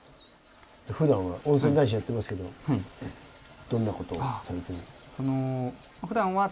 ふだんは温泉男子やってますけどどんなことをされてる？